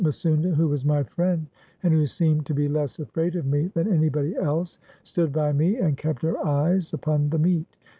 Misounda, who was my friend, and who seemed to be less afraid of me than anybody else, stood by me, and kept her eyes upon the meat.